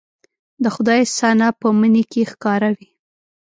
د خدای صنع په مني کې ښکاره وي